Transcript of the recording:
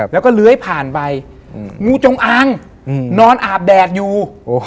แล้วก็เลื้อยผ่านไปงูจงอางนอนอาบแดดอยู่